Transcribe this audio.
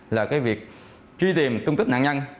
là cái việc truy tìm tung tích nạn nhân